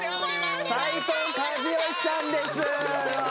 斉藤和義さんです。